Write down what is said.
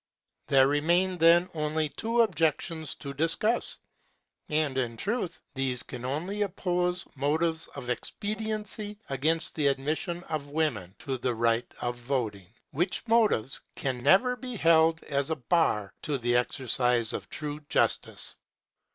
There remain, then, only two objections to discuss. And, in truth, these can only oppose motives of expediency against the admission of women to the right of voting; which motives can never be upheld as a bar to the exercise of true justice.